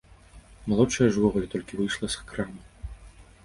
Малодшая ж увогуле толькі выйшла з крамы.